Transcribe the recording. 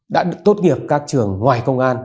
đã tốt nghiệp các trường ngoài công an